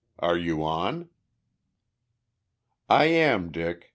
Are you on?" "I am, Dick.